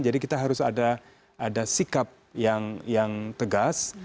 jadi kita harus ada sikap yang tegas